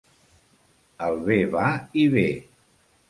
El bé va i ve.